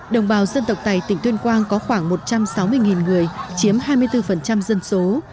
đồng bào dân tộc tày tỉnh tuyên quang có khoảng một trăm sáu mươi người chiếm hai mươi bốn dân số